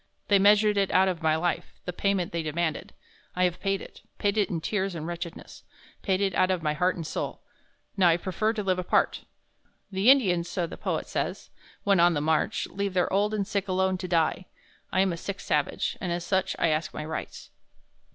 They measured it out of my life, the payment they demanded. I have paid it paid it in tears and wretchedness paid it out of my heart and soul. Now I prefer to live apart.... The Indians, so the poet says, when on the march, leave their old and sick alone to die. I am a sick savage, and as such, I ask my rights."